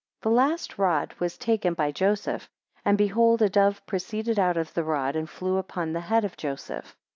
11 The last rod was taken by Joseph, said behold a dove proceeded out of the rod, and flew upon the head of Joseph.